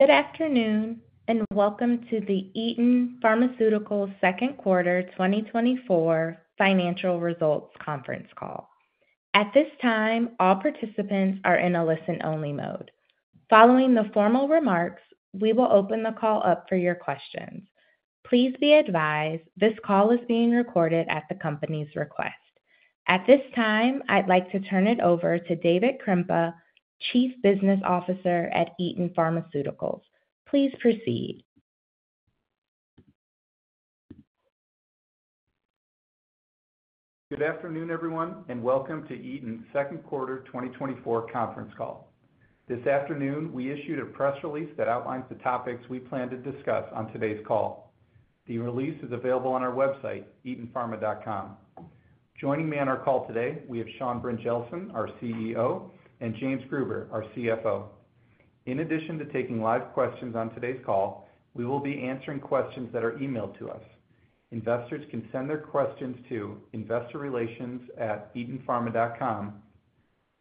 Good afternoon, and welcome to the Eton Pharmaceuticals Second Quarter 2024 Financial Results Conference Call. At this time, all participants are in a listen-only mode. Following the formal remarks, we will open the call up for your questions. Please be advised this call is being recorded at the company's request. At this time, I'd like to turn it over to David Krempa, Chief Business Officer at Eton Pharmaceuticals. Please proceed. Good afternoon, everyone, and welcome to Eton's second quarter 2024 conference call. This afternoon, we issued a press release that outlines the topics we plan to discuss on today's call. The release is available on our website, etonpharma.com. Joining me on our call today, we have Sean Brynjelsen, our CEO, and James Gruber, our CFO. In addition to taking live questions on today's call, we will be answering questions that are emailed to us. Investors can send their questions to investorrelations@etonpharma.com.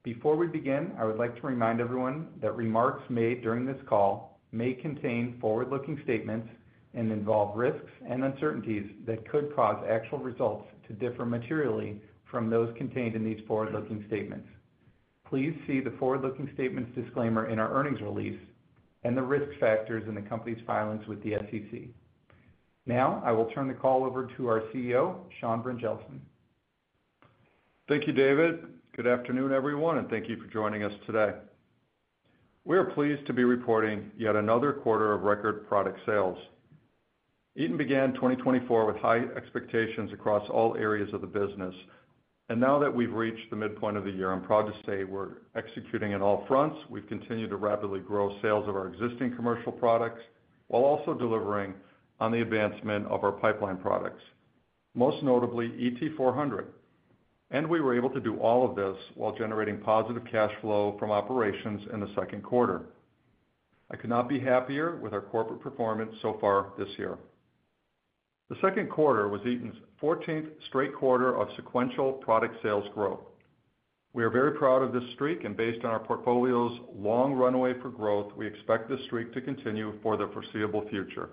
Before we begin, I would like to remind everyone that remarks made during this call may contain forward-looking statements and involve risks and uncertainties that could cause actual results to differ materially from those contained in these forward-looking statements. Please see the forward-looking statements disclaimer in our earnings release and the risk factors in the company's filings with the SEC. Now, I will turn the call over to our CEO, Sean Brynjelsen. Thank you, David. Good afternoon, everyone, and thank you for joining us today. We are pleased to be reporting yet another quarter of record product sales. Eton began 2024 with high expectations across all areas of the business, and now that we've reached the midpoint of the year, I'm proud to say we're executing on all fronts. We've continued to rapidly grow sales of our existing commercial products, while also delivering on the advancement of our pipeline products, most notably ET-400, and we were able to do all of this while generating positive cash flow from operations in the second quarter. I could not be happier with our corporate performance so far this year. The second quarter was Eton's 14th straight quarter of sequential product sales growth. We are very proud of this streak, and based on our portfolio's long runway for growth, we expect this streak to continue for the foreseeable future.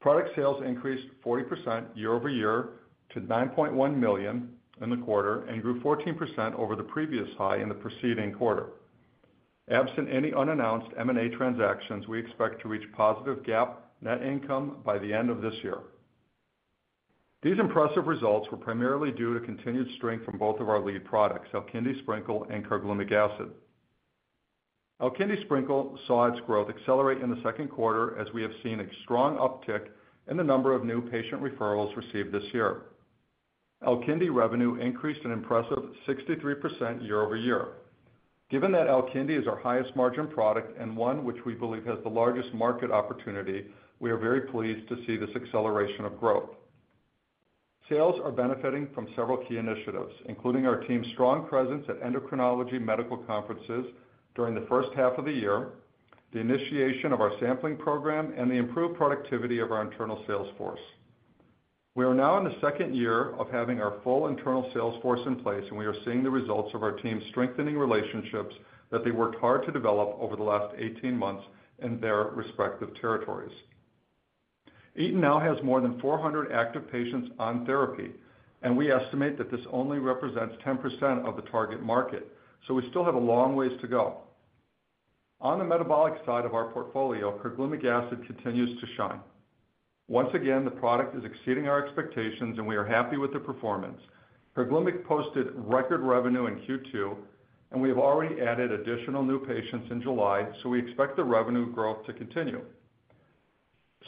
Product sales increased 40% year-over-year to $9.1 million in the quarter and grew 14% over the previous high in the preceding quarter. Absent any unannounced M&A transactions, we expect to reach positive GAAP net income by the end of this year. These impressive results were primarily due to continued strength from both of our lead products, Alkindi Sprinkle and Carglumic Acid. Alkindi Sprinkle saw its growth accelerate in the second quarter, as we have seen a strong uptick in the number of new patient referrals received this year. Alkindi revenue increased an impressive 63% year-over-year. Given that Alkindi is our highest margin product and one which we believe has the largest market opportunity, we are very pleased to see this acceleration of growth. Sales are benefiting from several key initiatives, including our team's strong presence at endocrinology medical conferences during the first half of the year, the initiation of our sampling program, and the improved productivity of our internal sales force. We are now in the second year of having our full internal sales force in place, and we are seeing the results of our team strengthening relationships that they worked hard to develop over the last 18 months in their respective territories. Eton now has more than 400 active patients on therapy, and we estimate that this only represents 10% of the target market, so we still have a long ways to go. On the metabolic side of our portfolio, Carglumic acid continues to shine. Once again, the product is exceeding our expectations, and we are happy with the performance. Carglumic posted record revenue in Q2, and we have already added additional new patients in July, so we expect the revenue growth to continue.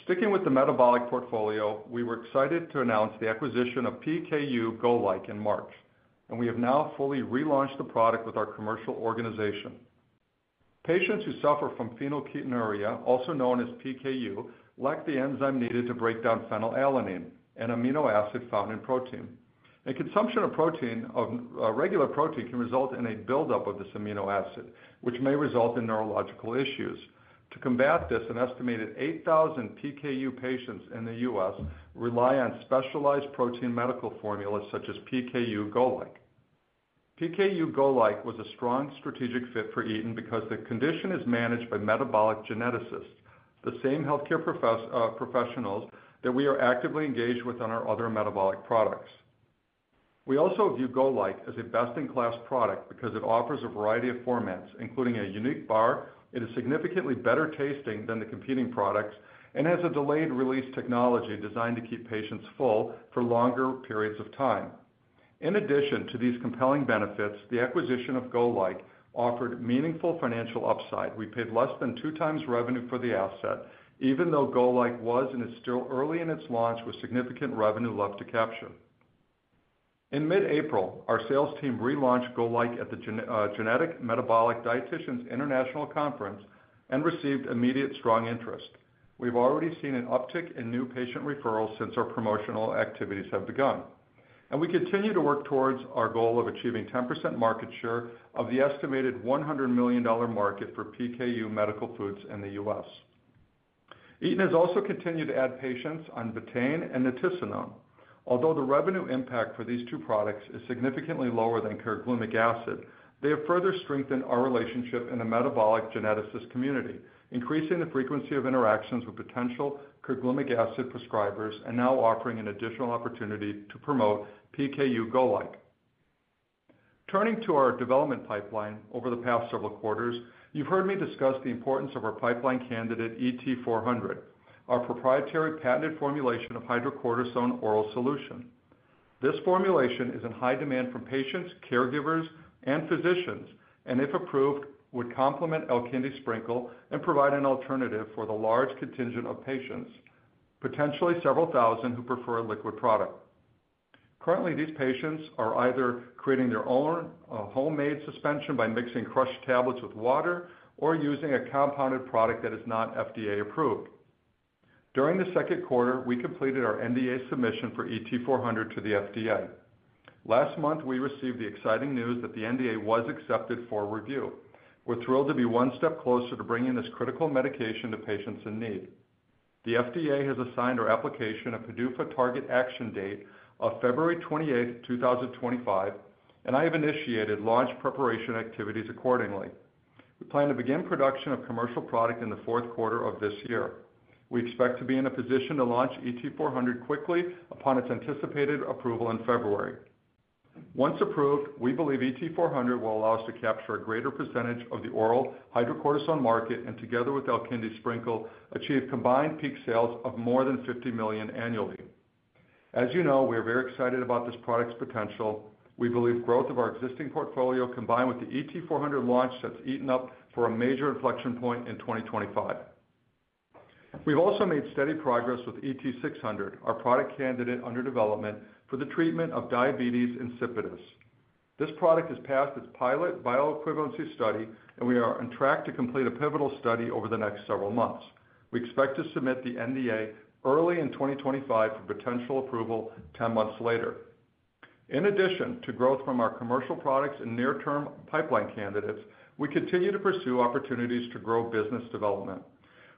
Sticking with the metabolic portfolio, we were excited to announce the acquisition of PKU GOLIKE in March, and we have now fully relaunched the product with our commercial organization. Patients who suffer from phenylketonuria, also known as PKU, lack the enzyme needed to break down phenylalanine, an amino acid found in protein. The consumption of protein, regular protein can result in a buildup of this amino acid, which may result in neurological issues. To combat this, an estimated 8,000 PKU patients in the U.S. rely on specialized protein medical formulas, such as PKU GOLIKE. PKU GOLIKE was a strong strategic fit for Eton because the condition is managed by metabolic geneticists, the same healthcare professionals that we are actively engaged with on our other metabolic products. We also view GOLIKE as a best-in-class product because it offers a variety of formats, including a unique bar. It is significantly better tasting than the competing products and has a delayed-release technology designed to keep patients full for longer periods of time. In addition to these compelling benefits, the acquisition of GOLIKE offered meaningful financial upside. We paid less than 2x revenue for the asset, even though GOLIKE was, and is still early in its launch, with significant revenue left to capture. In mid-April, our sales team relaunched GOLIKE at the Genetic Metabolic Dietitians International Conference and received immediate strong interest. We've already seen an uptick in new patient referrals since our promotional activities have begun, and we continue to work towards our goal of achieving 10% market share of the estimated $100 million market for PKU medical foods in the U.S. Eton has also continued to add patients on Betaine and Nitisinone. Although the revenue impact for these two products is significantly lower than Carglumic Acid, they have further strengthened our relationship in the metabolic geneticist community, increasing the frequency of interactions with potential Carglumic Acid prescribers, and now offering an additional opportunity to promote PKU GOLIKE. Turning to our development pipeline, over the past several quarters, you've heard me discuss the importance of our pipeline candidate, ET-400, our proprietary patented formulation of Hydrocortisone oral solution. This formulation is in high demand from patients, caregivers, and physicians, and if approved, would complement Alkindi Sprinkle and provide an alternative for the large contingent of patients, potentially several thousand, who prefer a liquid product. Currently, these patients are either creating their own homemade suspension by mixing crushed tablets with water or using a compounded product that is not FDA approved. During the second quarter, we completed our NDA submission for ET-400 to the FDA. Last month, we received the exciting news that the NDA was accepted for review. We're thrilled to be one step closer to bringing this critical medication to patients in need. The FDA has assigned our application a PDUFA target action date of February twenty-eighth, two thousand and twenty-five, and I have initiated launch preparation activities accordingly. We plan to begin production of commercial product in the fourth quarter of this year. We expect to be in a position to launch ET-400 quickly upon its anticipated approval in February. Once approved, we believe ET-400 will allow us to capture a greater percentage of the oral hydrocortisone market, and together with Alkindi Sprinkle, achieve combined peak sales of more than $50 million annually. As you know, we are very excited about this product's potential. We believe growth of our existing portfolio, combined with the ET-400 launch, sets Eton up for a major inflection point in 2025. We've also made steady progress with ET-600, our product candidate under development for the treatment of diabetes insipidus. This product has passed its pilot bioequivalence study, and we are on track to complete a pivotal study over the next several months. We expect to submit the NDA early in 2025 for potential approval ten months later. In addition to growth from our commercial products and near-term pipeline candidates, we continue to pursue opportunities to grow business development.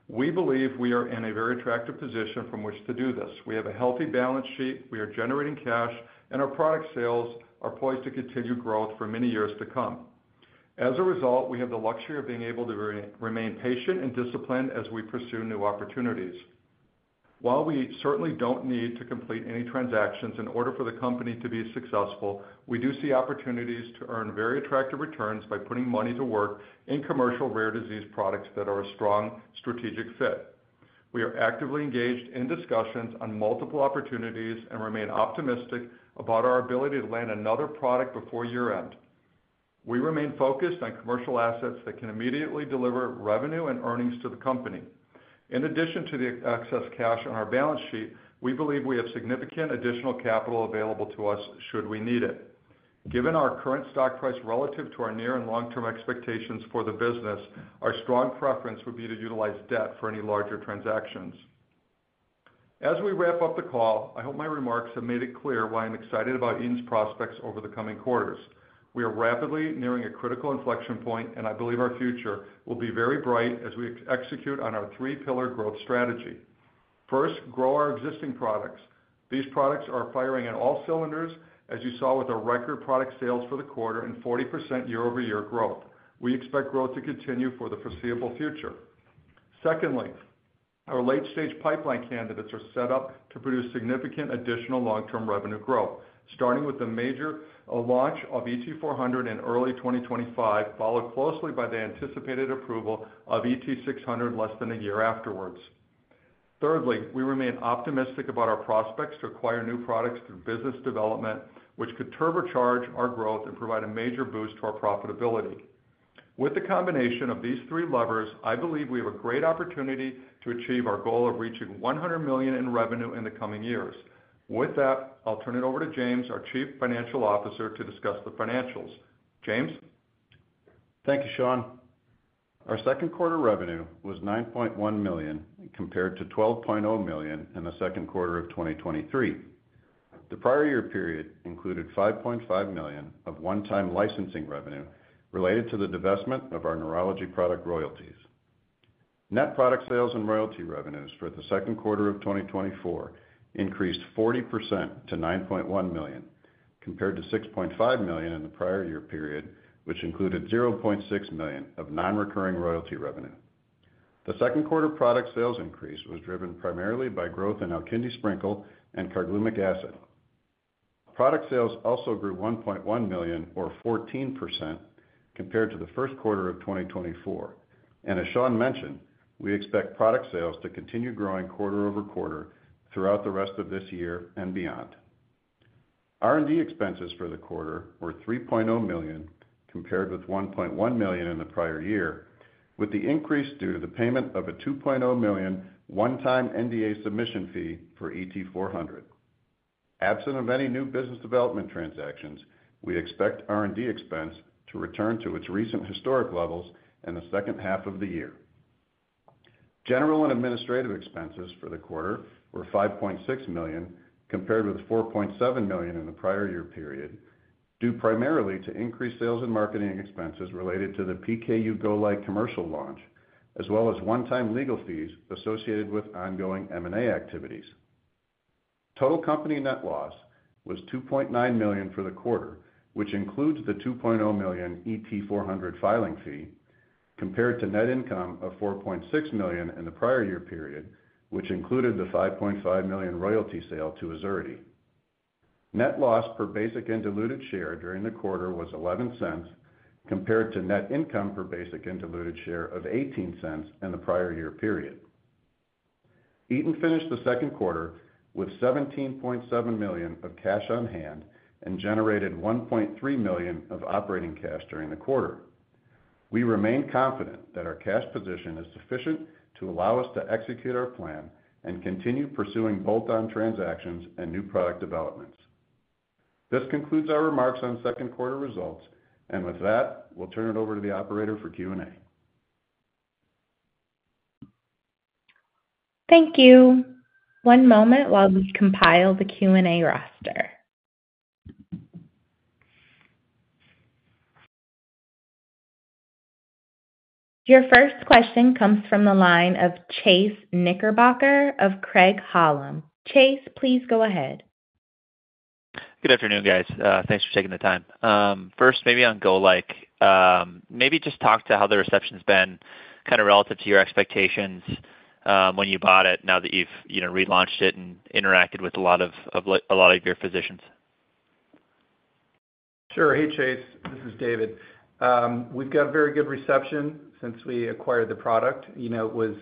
We believe we are in a very attractive position from which to do this. We have a healthy balance sheet, we are generating cash, and our product sales are poised to continue growth for many years to come. As a result, we have the luxury of being able to remain patient and disciplined as we pursue new opportunities. While we certainly don't need to complete any transactions in order for the company to be successful, we do see opportunities to earn very attractive returns by putting money to work in commercial rare disease products that are a strong strategic fit. We are actively engaged in discussions on multiple opportunities and remain optimistic about our ability to land another product before year-end. We remain focused on commercial assets that can immediately deliver revenue and earnings to the company. In addition to the excess cash on our balance sheet, we believe we have significant additional capital available to us should we need it. Given our current stock price relative to our near and long-term expectations for the business, our strong preference would be to utilize debt for any larger transactions. As we wrap up the call, I hope my remarks have made it clear why I'm excited about Eton's prospects over the coming quarters. We are rapidly nearing a critical inflection point, and I believe our future will be very bright as we execute on our three-pillar growth strategy. First, grow our existing products. These products are firing on all cylinders, as you saw with our record product sales for the quarter and 40% year-over-year growth. We expect growth to continue for the foreseeable future. Secondly, our late-stage pipeline candidates are set up to produce significant additional long-term revenue growth, starting with the major launch of ET-400 in early 2025, followed closely by the anticipated approval of ET-600 less than a year afterwards. Thirdly, we remain optimistic about our prospects to acquire new products through business development, which could turbocharge our growth and provide a major boost to our profitability. With the combination of these three levers, I believe we have a great opportunity to achieve our goal of reaching $100 million in revenue in the coming years. With that, I'll turn it over to James, our Chief Financial Officer, to discuss the financials. James? Thank you, Sean. Our second quarter revenue was $9.1 million, compared to $12.0 million in the second quarter of 2023. The prior year period included $5.5 million of one-time licensing revenue related to the divestment of our neurology product royalties. Net product sales and royalty revenues for the second quarter of 2024 increased 40% to $9.1 million, compared to $6.5 million in the prior year period, which included $0.6 million of non-recurring royalty revenue. The second quarter product sales increase was driven primarily by growth in Alkindi Sprinkle and Carglumic Acid. Product sales also grew $1.1 million or 14% compared to the first quarter of 2024. As Sean mentioned, we expect product sales to continue growing quarter-over-quarter throughout the rest of this year and beyond. R&D expenses for the quarter were $3.0 million, compared with $1.1 million in the prior year, with the increase due to the payment of a $2.0 million one-time NDA submission fee for ET-400. Absent of any new business development transactions, we expect R&D expense to return to its recent historic levels in the second half of the year. General and administrative expenses for the quarter were $5.6 million, compared with $4.7 million in the prior year period, due primarily to increased sales and marketing expenses related to the PKU GOLIKE commercial launch, as well as one-time legal fees associated with ongoing M&A activities. Total company net loss was $2.9 million for the quarter, which includes the $2.0 million ET-400 filing fee, compared to net income of $4.6 million in the prior year period, which included the $5.5 million royalty sale to Azurity. Net loss per basic and diluted share during the quarter was $0.11, compared to net income per basic and diluted share of $0.18 in the prior year period. Eton finished the second quarter with $17.7 million of cash on hand and generated $1.3 million of operating cash during the quarter. We remain confident that our cash position is sufficient to allow us to execute our plan and continue pursuing bolt-on transactions and new product developments. This concludes our remarks on second quarter results, and with that, we'll turn it over to the operator for Q&A. Thank you. One moment while we compile the Q&A roster. Your first question comes from the line of Chase Knickerbocker of Craig-Hallum. Chase, please go ahead. Good afternoon, guys. Thanks for taking the time. First, maybe on GOLIKE, maybe just talk to how the reception's been kind of relative to your expectations, when you bought it, now that you've, you know, relaunched it and interacted with a lot of your physicians. Sure. Hey, Chase, this is David. We've got a very good reception since we acquired the product. You know, it was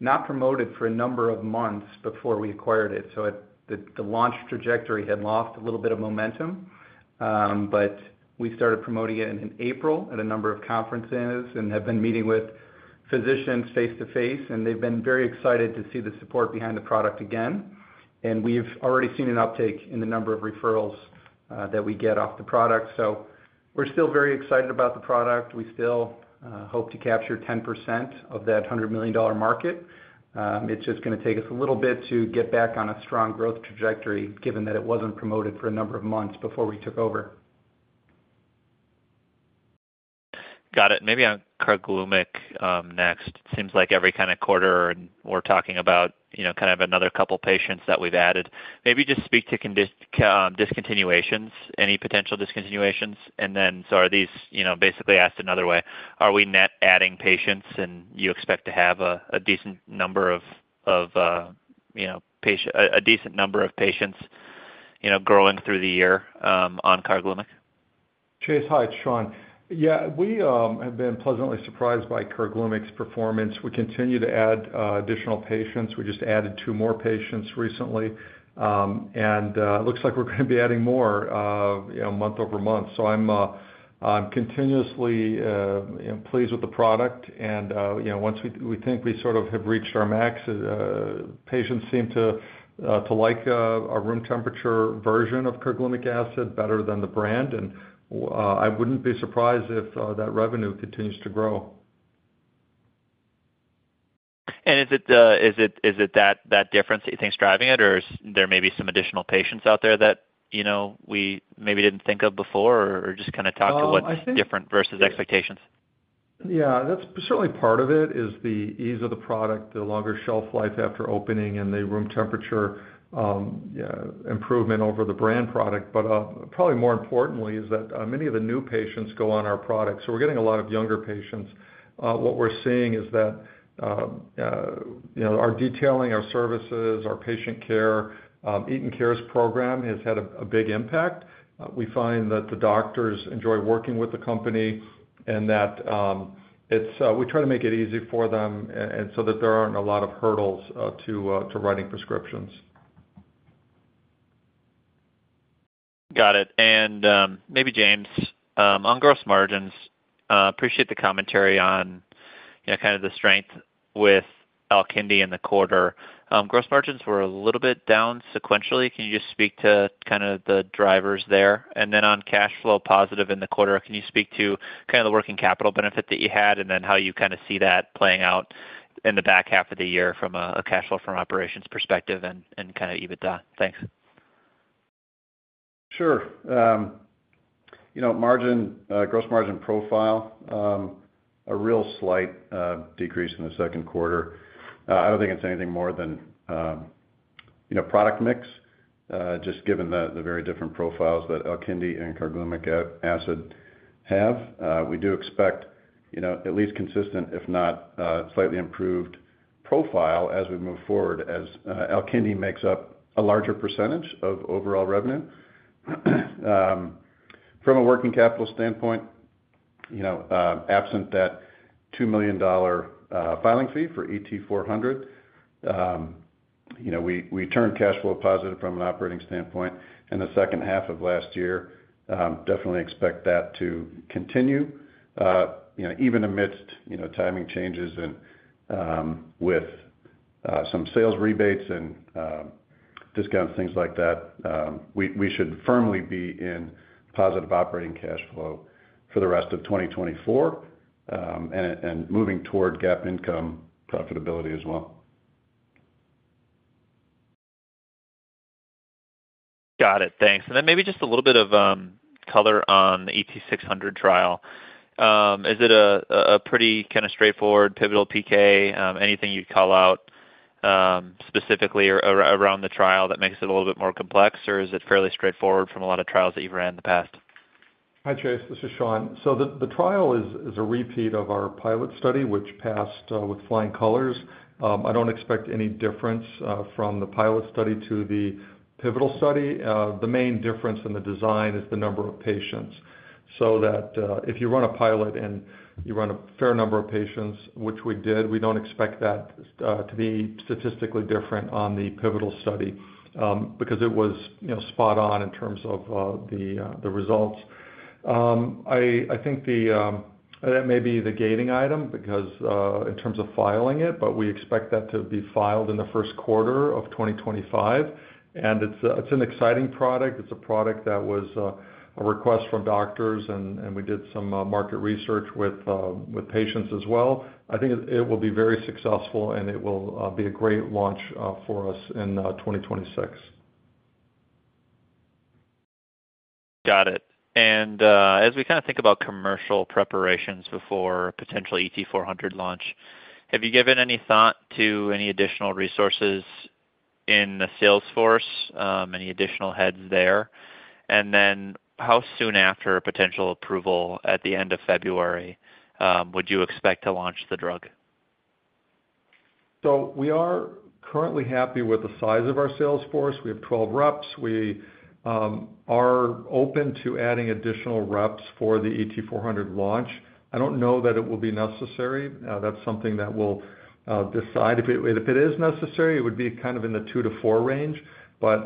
not promoted for a number of months before we acquired it, so the launch trajectory had lost a little bit of momentum. But we started promoting it in April at a number of conferences and have been meeting with physicians face-to-face, and they've been very excited to see the support behind the product again. And we've already seen an uptake in the number of referrals that we get off the product. So we're still very excited about the product. We still hope to capture 10% of that $100 million market. It's just gonna take us a little bit to get back on a strong growth trajectory, given that it wasn't promoted for a number of months before we took over. Got it. Maybe on Carglumic next. It seems like every kind of quarter, and we're talking about, you know, kind of another couple patients that we've added. Maybe just speak to discontinuations, any potential discontinuations. And then, so are these, you know, basically asked another way, are we net adding patients and you expect to have a decent number of patients, you know, growing through the year on Carglumic? Chase, hi, it's Sean. Yeah, we have been pleasantly surprised by Carglumic's performance. We continue to add additional patients. We just added two more patients recently, and it looks like we're gonna be adding more, you know, month-over-month. So I'm continuously pleased with the product, and you know, once we think we sort of have reached our max, patients seem to like our room temperature version of Carglumic acid better than the brand, and I wouldn't be surprised if that revenue continues to grow. Is it that difference that you think is driving it, or is there may be some additional patients out there that, you know, we maybe didn't think of before? Or just kinda talk to- I think- What's different versus expectations. Yeah, that's certainly part of it, is the ease of the product, the longer shelf life after opening and the room temperature improvement over the brand product. But, probably more importantly is that, many of the new patients go on our product, so we're getting a lot of younger patients. What we're seeing is that, you know, our detailing, our services, our patient care, Eton Cares program has had a big impact. We find that the doctors enjoy working with the company, and that, it's, we try to make it easy for them and so that there aren't a lot of hurdles, to writing prescriptions. Got it. And, maybe James, on gross margins, appreciate the commentary on, you know, kind of the strength with Alkindi in the quarter. Gross margins were a little bit down sequentially. Can you just speak to kind of the drivers there? And then on cash flow positive in the quarter, can you speak to kind of the working capital benefit that you had, and then how you kind of see that playing out in the back half of the year from a cash flow from operations perspective and kind of EBITDA? Thanks. Sure. You know, margin, gross margin profile, a real slight decrease in the second quarter. I don't think it's anything more than, you know, product mix, just given the, the very different profiles that Alkindi and Carglumic Acid have. We do expect, you know, at least consistent, if not, slightly improved profile as we move forward, as Alkindi makes up a larger percentage of overall revenue. From a working capital standpoint, you know, absent that $2 million filing fee for ET-400, you know, we, we turned cash flow positive from an operating standpoint in the second half of last year. Definitely expect that to continue, you know, even amidst, you know, timing changes and with some sales rebates and discounts, things like that, we should firmly be in positive operating cash flow for the rest of 2024, and moving toward GAAP income profitability as well.... Got it. Thanks. And then maybe just a little bit of color on the ET-600 trial. Is it a pretty kind of straightforward, pivotal PK? Anything you'd call out specifically around the trial that makes it a little bit more complex, or is it fairly straightforward from a lot of trials that you've ran in the past? Hi, Chase, this is Sean. So the trial is a repeat of our pilot study, which passed with flying colors. I don't expect any difference from the pilot study to the pivotal study. The main difference in the design is the number of patients, so that if you run a pilot and you run a fair number of patients, which we did, we don't expect that to be statistically different on the pivotal study, because it was, you know, spot on in terms of the results. I think that may be the gating item because in terms of filing it, but we expect that to be filed in the first quarter of 2025. And it's an exciting product. It's a product that was a request from doctors, and we did some market research with patients as well. I think it will be very successful, and it will be a great launch for us in 2026. Got it. And, as we kind of think about commercial preparations before potential ET-400 launch, have you given any thought to any additional resources in the sales force, any additional heads there? And then how soon after a potential approval at the end of February, would you expect to launch the drug? So we are currently happy with the size of our sales force. We have 12 reps. We are open to adding additional reps for the ET-400 launch. I don't know that it will be necessary. That's something that we'll decide. If it is necessary, it would be kind of in the 2-4 range, but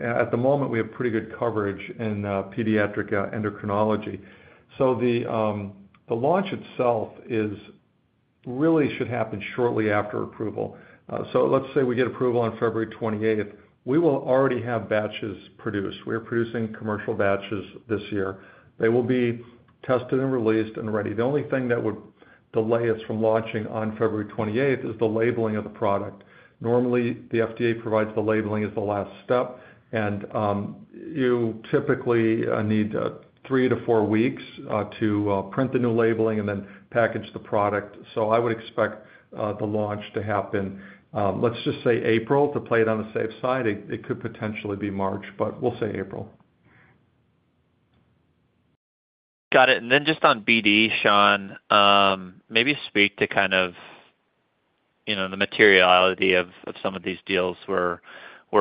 at the moment, we have pretty good coverage in pediatric endocrinology. So the launch itself really should happen shortly after approval. So let's say we get approval on February 28th, we will already have batches produced. We are producing commercial batches this year. They will be tested and released and ready. The only thing that would delay us from launching on February 28th is the labeling of the product. Normally, the FDA provides the labeling as the last step, and you typically need 3-4 weeks to print the new labeling and then package the product. So I would expect the launch to happen, let's just say April, to play it on the safe side. It could potentially be March, but we'll say April. Got it. And then just on BD, Sean, maybe speak to kind of, you know, the materiality of some of these deals we're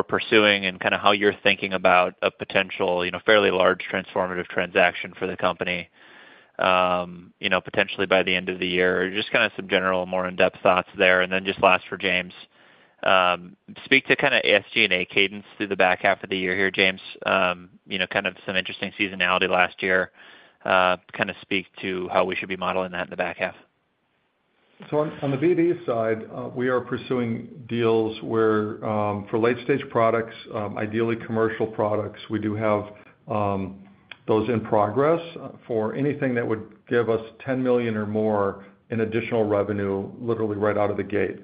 pursuing and kind of how you're thinking about a potential, you know, fairly large transformative transaction for the company, you know, potentially by the end of the year. Just kind of some general, more in-depth thoughts there. And then just last for James, speak to kind of SG&A cadence through the back half of the year here, James. You know, kind of some interesting seasonality last year. Kind of speak to how we should be modeling that in the back half. So, on the BD side, we are pursuing deals where, for late-stage products, ideally commercial products, we do have those in progress for anything that would give us $10 million or more in additional revenue, literally right out of the gate.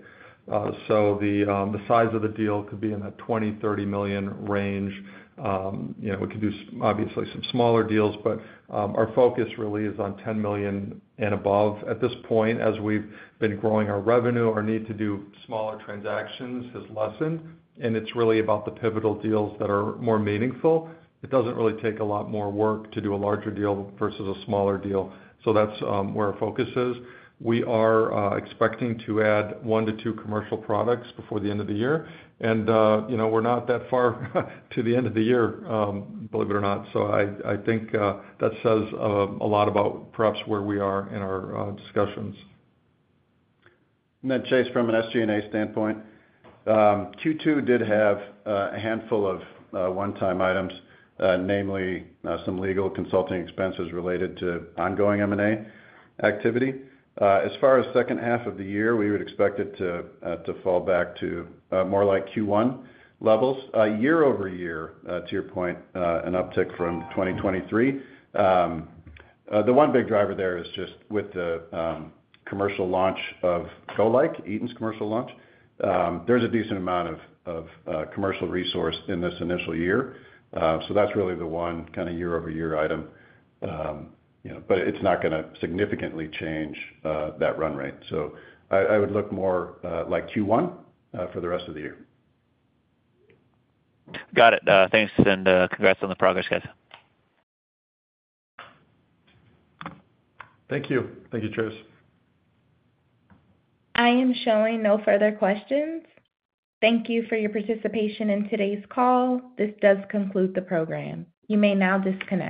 So the size of the deal could be in the $20-$30 million range. You know, we could do obviously some smaller deals, but our focus really is on $10 million and above. At this point, as we've been growing our revenue, our need to do smaller transactions has lessened, and it's really about the pivotal deals that are more meaningful. It doesn't really take a lot more work to do a larger deal versus a smaller deal, so that's where our focus is. We are expecting to add 1-2 commercial products before the end of the year. And, you know, we're not that far to the end of the year, believe it or not. So I, I think, that says a lot about perhaps where we are in our discussions. And then Chase, from an SG&A standpoint, Q2 did have a handful of one-time items, namely some legal consulting expenses related to ongoing M&A activity. As far as second half of the year, we would expect it to fall back to more like Q1 levels. Year-over-year, to your point, an uptick from 2023. The one big driver there is just with the commercial launch of GoLike, Eton's commercial launch, there's a decent amount of commercial resource in this initial year. So that's really the one kind of year-over-year item. You know, but it's not gonna significantly change that run rate. So I would look more like Q1 for the rest of the year. Got it. Thanks, and congrats on the progress, guys. Thank you. Thank you, Chase. I am showing no further questions. Thank you for your participation in today's call. This does conclude the program. You may now disconnect.